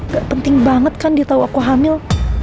gak penting banget kan dia tahu aku hamil